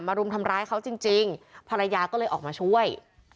รุมทำร้ายเขาจริงภรรยาก็เลยออกมาช่วย